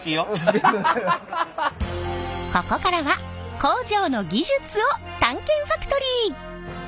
ここからは工場の技術を探検ファクトリー！